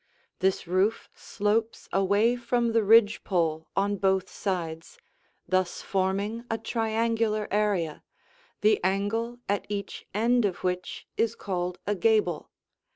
This roof slopes away from the ridge pole on both sides, thus forming a triangular area, the angle at each end of which is called a gable.